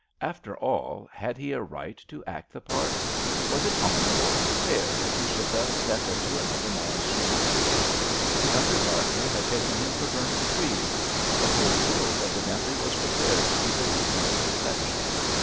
After all, had he a right to act the part; was it honourable and fair that he should thus step into another man's shoes? The under gardener had taken him for Bernard Treves; the whole world evidently was prepared to believe in the deception.